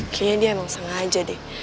kayaknya dia emang sengaja deh